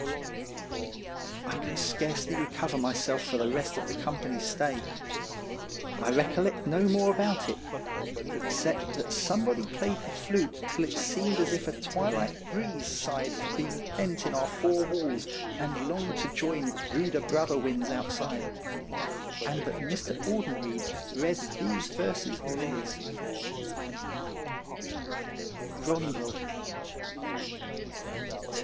I could scarcely recover myself for the rest of the company's stay. I recollect no more about it, except that somebody played the flute till it seemed as if a twilight breeze sighed for being pent in our four walls and longed to join its ruder brother winds outside ; and that'Mr. Audenried read these verses of his : Stoorn Statement. 225 RONDEL.